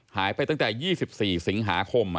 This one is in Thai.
หายไปตั้งแต่๒๔สิงหาคม